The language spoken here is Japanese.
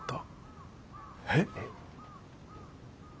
えっ！